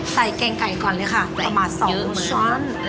แกงไก่ก่อนเลยค่ะประมาณ๒ช้อน